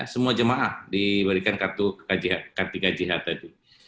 semua jemaah diberikan kartu kesehatan